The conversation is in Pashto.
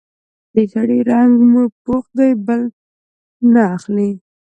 د شړۍ رنګ مې پوخ دی؛ بل نه اخلي.